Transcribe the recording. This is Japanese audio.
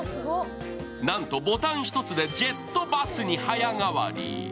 なんと、ボタン１つでジェットバスに早変わり。